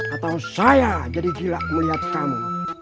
atau saya jadi gila melihat kamu